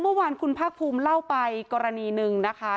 เมื่อวานคุณภาคภูมิเล่าไปกรณีหนึ่งนะคะ